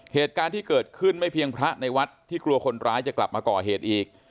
เหตุการณ์ที่เกิดขึ้นไม่เพียงพระในวัดที่กลัวคนร้ายจะกลับมาก่อเหตุอีก